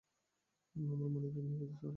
আমার মানিব্যাগ নিয়ে গেছে, সার্জেন্ট।